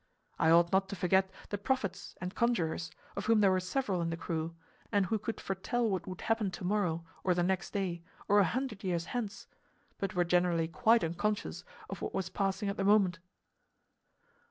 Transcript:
I ought not to forget the prophets and conjurers, of whom there were several in the crew, and who could foretell what would happen tomorrow, or the next day, or a hundred years hence, but were generally quite unconscious of what was passing at the moment.